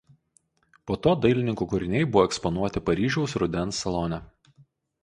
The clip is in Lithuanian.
Po to dailininkų kūriniai buvo eksponuoti Paryžiaus Rudens salone.